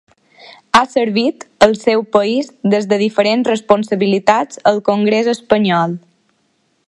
Ha servit al seu país des de diferents responsabilitats al congrés espanyol.